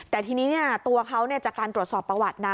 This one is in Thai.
แต่ทีนี้ตัวเขาจากการตรวจสอบประวัตินะ